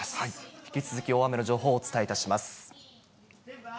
引き続き大雨の情報、お伝えいたします。